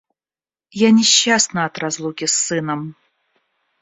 Я несчастна от разлуки с сыном.